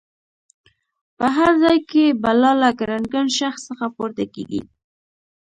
په هر ځای کې بلا له ګړنګن شخص څخه پورته کېږي.